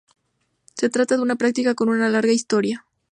Se trata de una práctica con una larga historia.